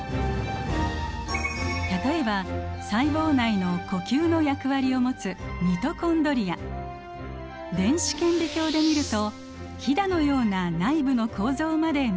例えば細胞内の呼吸の役割を持つ電子顕微鏡で見るとひだのような内部の構造まで見ることができます。